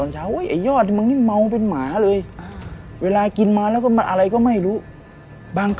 ชี้ใส่สารพระภูมิมาก